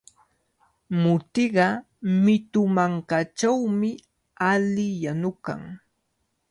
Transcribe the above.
Mutiqa mitu mankachawmi alli yanukan.